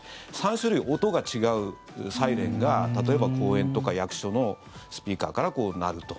３種類、音が違うサイレンが例えば、公園とか役所のスピーカーから鳴ると。